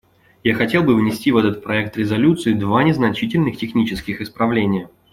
Я хотел бы внести в этот проект резолюции два незначительных технических исправления.